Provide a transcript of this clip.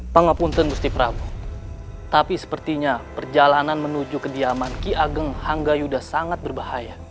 pangampunten gusti prabu tapi sepertinya perjalanan menuju kediaman ki ageng hanggayuda sangat berbahaya